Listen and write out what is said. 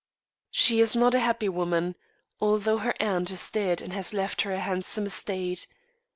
She is not a happy woman, although her aunt is dead and has left her a handsome estate.